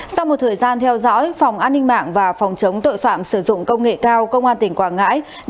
sau một thời gian theo dõi phòng an ninh mạng và phòng chống tội phạm sử dụng công nghệ cao công an tỉnh quảng ngãi